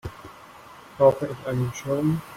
Brauche ich einen Schirm?